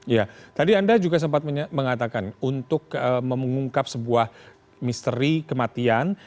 ya tadi anda juga sempat mengatakan untuk mengungkap sebuah misteri kematian